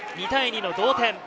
２対２の同点。